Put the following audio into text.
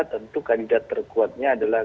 tentu kandidat terkuatnya adalah